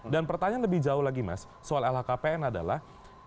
dan pertanyaan lebih jauh lagi mas soal lhkpn adalah